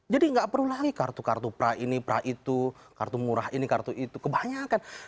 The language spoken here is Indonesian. jadi gak perlu lagi kartu kartu pra ini pra itu kartu murah ini kartu itu kebanyakan